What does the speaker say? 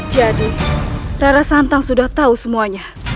jadi rara santang sudah tahu semuanya